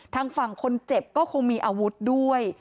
ทางฝั่งคนเจ็บก็คงมีอาวุธด้วย